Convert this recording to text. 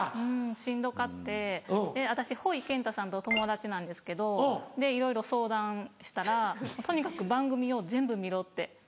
しんどかってで私ほいけんたさんと友達なんですけどいろいろ相談したらとにかく番組を全部見ろって。